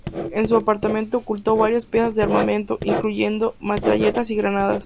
En su apartamento ocultó varias piezas de armamento, incluyendo metralletas y granadas.